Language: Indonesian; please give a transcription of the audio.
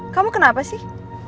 kamu kenapa sih